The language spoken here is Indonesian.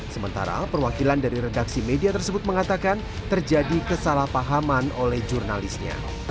sementara perwakilan dari redaksi media tersebut mengatakan terjadi kesalahpahaman oleh jurnalisnya